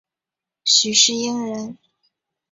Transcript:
许世英人。